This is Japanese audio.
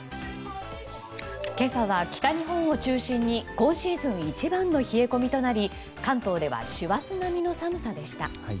今朝は北日本を中心に今シーズン一番の冷え込みとなり関東では師走並みの寒さでした。